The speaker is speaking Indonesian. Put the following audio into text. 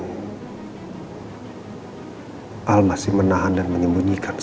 hai al masih menahan dan menyembunyikan